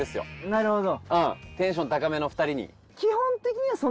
なるほど！